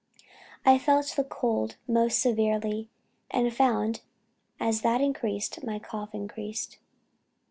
I felt the cold most severely, and found, as that increased, my cough increased."